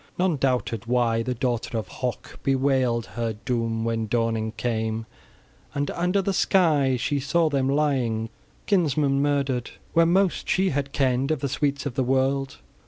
None doubted why the daughter of Hoc bewailed her doom when dawning came, and under the sky she saw them lying, kinsmen murdered, where most she had kenned of the sweets of the world!